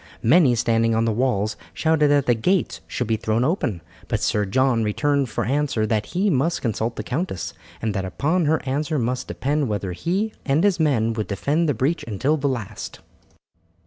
Many standing on the walls shouted that the gates should be thrown open; but Sir John returned for answer that he must consult the countess, and that upon her answer must depend whether he and his men would defend the breach until the last.